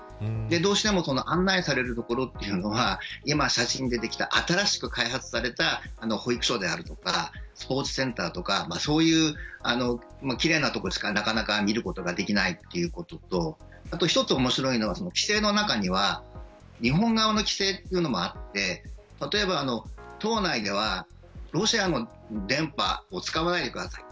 どうしても案内される所というのは今、写真に出てきた新しく開発された保育所であるとかスポーツセンターとかそういう奇麗な所しか、なかなか見ることができないということと一つ面白いのは、規制の中には日本側の規制というのもあって例えば、島内ではロシアの電波を使わないでください。